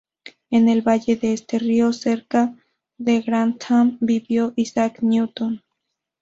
En el valle de este río, cerca de Grantham, vivió Isaac Newton.